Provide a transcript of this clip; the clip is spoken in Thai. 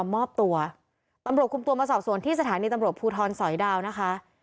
มอบตัวตำรวจคุมตัวมาสอบสวนที่สถานีตำรวจภูทรสอยดาวนะคะ